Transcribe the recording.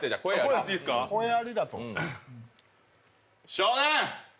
少年！